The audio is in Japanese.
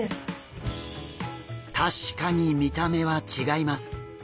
確かに見た目は違います。